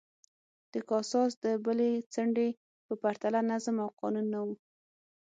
د کاساس د بلې څنډې په پرتله نظم او قانون نه و